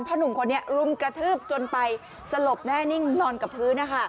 หนุ่มคนนี้รุมกระทืบจนไปสลบแน่นิ่งนอนกับพื้นนะคะ